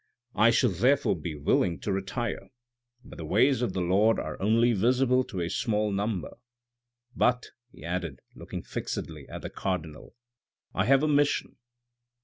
I should therefore be willing to retire ; but the ways of the Lord are only visible to a small number ; but," he added, looking fixedly at the cardinal, " I have a mission.